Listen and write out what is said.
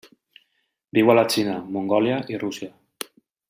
Viu a la Xina, Mongòlia i Rússia.